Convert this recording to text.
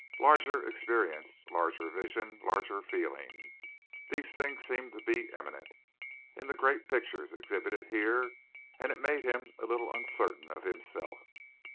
Larger experience, larger vision, larger feeling these things seemed to be imminent in the great pictures exhibited here, and it made him a little uncertain of himself.